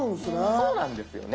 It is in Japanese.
そうなんですよね。